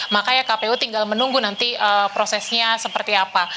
makanya kpu tinggal menunggu nanti prosesnya seperti apa